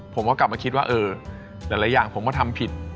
ผมก็กลับมาคิดว่าเออหลายอย่างผมก็ทำผิด